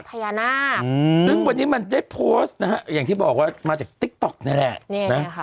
พญานาคอืมซึ่งวันนี้มันได้โพสต์นะฮะอย่างที่บอกว่ามาจากติ๊กต๊อกนี่แหละ